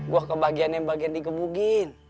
gue kebagian bagian dikebugin